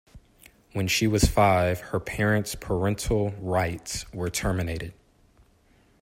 When she was five, her parents' parental rights were terminated.